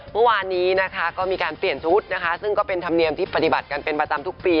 เมื่อวานนี้นะคะก็มีการเปลี่ยนชุดนะคะซึ่งก็เป็นธรรมเนียมที่ปฏิบัติกันเป็นประจำทุกปี